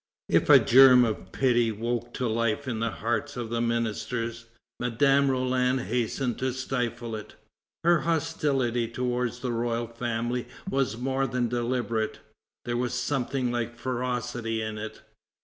If a germ of pity woke to life in the hearts of the ministers, Madame Roland hastened to stifle it. Her hostility towards the royal family was more than deliberate; there was something like ferocity in it.